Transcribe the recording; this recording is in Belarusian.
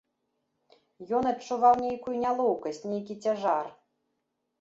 Ён адчуваў нейкую нялоўкасць, нейкі цяжар.